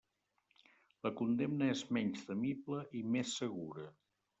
La condemna és menys temible i més segura.